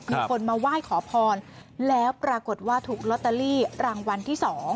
มีคนมาไหว้ขอพรแล้วปรากฏว่าถูกลอตเตอรี่รางวัลที่๒